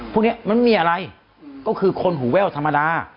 พวกนี้มันไม่มีอะไรก็คือคนหูแว่วธรรมดา